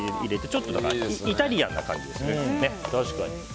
ちょっとイタリアンな感じですね。